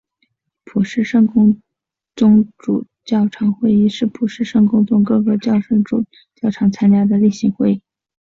普世圣公宗主教长会议是普世圣公宗各个教省主教长参加的例行会议。